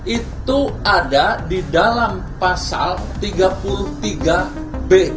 itu ada di dalam pasal tiga puluh tiga b